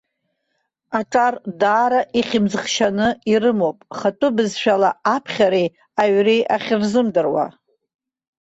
Аҿар даара ихьымӡӷшьаны ирымоуп хатәы бызшәала аԥхьа реи аҩреи ахьырзымдыруа.